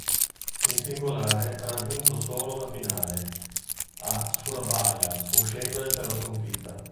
In singolare ha raggiunto solo una finale, a Surabaya, uscendone però sconfitta.